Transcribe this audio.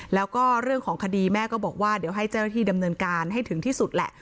แล้วก็เรื่องของคดีแม่ก็บอกว่าเดี๋ยวให้เจ้าหน้าที่ดำเนินการให้ถึงที่สุดแหละ